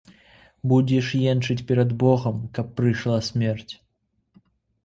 Будзеш енчыць перад богам, каб прыйшла смерць.